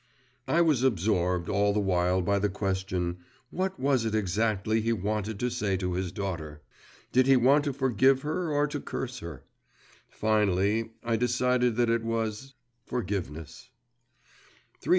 … I was absorbed all the while by the question, What was it exactly he wanted to say to his daughter? Did he want to forgive her or to curse her? Finally I decided that it was forgiveness.